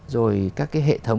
rồi các cái hệ thống